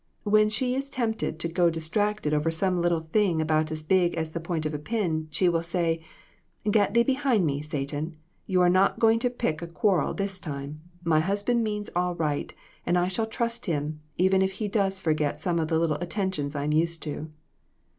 When she is tempted to go distracted over some little thing about as big as the point of a pin, she will say ' Get thee behind me, Satan. You are not going to pick a quarrel this time. My husband means all right, and I shall trust him, even if he does forget some of the little attentions I'm used to.'"